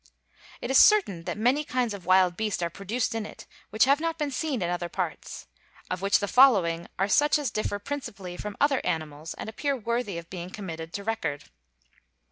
It is certain that many kinds of wild beast are produced in it which have not been seen in other parts; of which the following are such as differ principally from other animals and appear worthy of being committed to record.